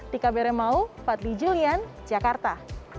tika bere mau fadli julian jakarta